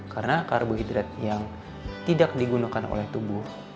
karena karbohidrat yang tidak digunakan oleh tubuh